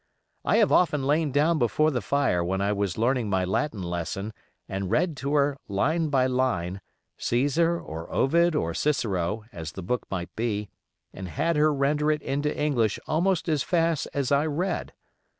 I have often lain down before the fire when I was learning my Latin lesson, and read to her, line by line, Caesar or Ovid or Cicero, as the book might be, and had her render it into English almost as fast as I read.